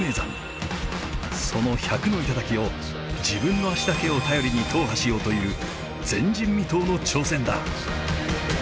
その１００の頂を自分の足だけを頼りに踏破しようという前人未到の挑戦だ。